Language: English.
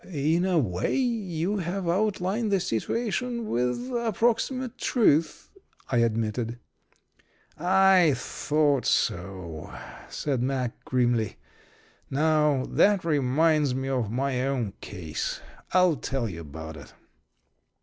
"In a way you have outlined the situation with approximate truth," I admitted. "I thought so," said Mack, grimly. "Now, that reminds me of my own case. I'll tell you about it."